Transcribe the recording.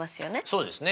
そうですね。